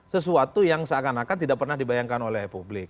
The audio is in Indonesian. sesuatu yang seakan akan tidak pernah dibayangkan oleh publik